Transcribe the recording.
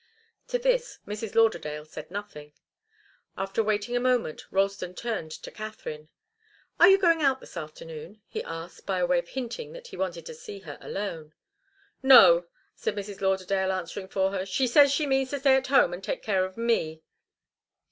To this Mrs. Lauderdale said nothing. After waiting a moment Ralston turned to Katharine. "Are you going out this afternoon?" he asked, by way of hinting that he wanted to see her alone. "No," said Mrs. Lauderdale, answering for her. "She says she means to stay at home and take care of me.